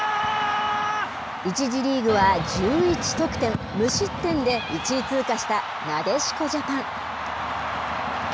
１次リーグは１１得点、無失点で１位通過したなでしこジャパン。